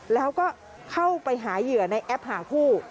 แล้วก็เข้าไปหาเหยื่อในแอปหาคู่